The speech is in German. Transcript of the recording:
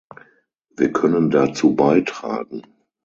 Wir können dazu beitragen.